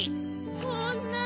そんな。